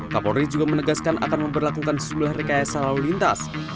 kapolri juga menegaskan akan memperlakukan sejumlah rekayasa lalu lintas